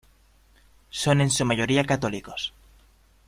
Son en su mayoría católicos.